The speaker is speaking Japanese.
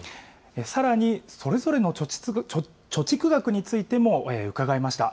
さらに、それぞれの貯蓄額についても伺いました。